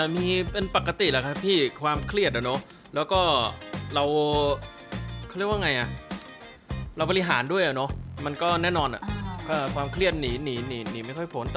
มีเป็นปกติแหละครับพี่ความเครียดนะ